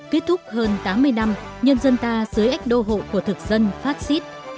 kết thúc hơn tám mươi năm nhân dân ta dưới ếch đô hộ của thực dân phát xít